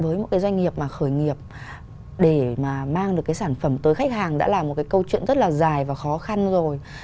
với một cái doanh nghiệp mà khởi nghiệp để mà mang được cái sản phẩm tới khách hàng đã là một cái câu chuyện rất là dài và khó khăn rồi